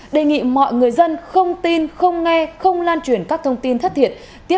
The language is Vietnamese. đề nghị mọi người dân không tin không nghe không lan truyền các thông tin thất thiệt